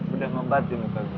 udah ngebat di muka gua